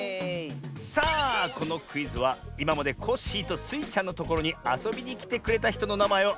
さあこのクイズはいままでコッシーとスイちゃんのところにあそびにきてくれたひとのなまえをあてるクイズだよ。